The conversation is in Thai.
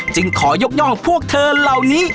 ขอยกย่องพวกเธอเหล่านี้